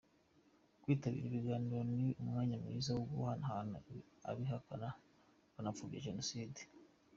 Kwitabira ibiganiro ni n’umwanya mwiza wo guhangana n’abagihakana bakanapfobya jenoside.